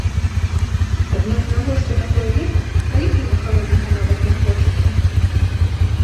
Аднак навошта такое лета, калі піва халоднага нават не хочацца?